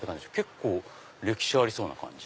結構歴史ありそうな感じ。